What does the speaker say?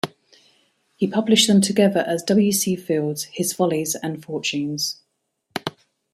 He published them together as "W. C. Fields: His Follies and Fortunes".